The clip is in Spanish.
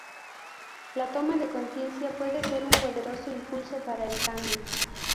La toma de conciencia puede ser un poderoso impulso para el cambio.